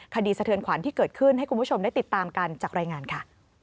สะเทือนขวัญที่เกิดขึ้นให้คุณผู้ชมได้ติดตามกันจากรายงานค่ะ